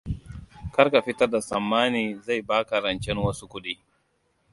Kar ka fitar da tsammani zai baka rancen wasu kuɗi.